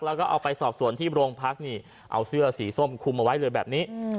แล้วก็เอาไปสอบส่วนที่โรงพักนี่เอาเสื้อสีส้มคุมเอาไว้เลยแบบนี้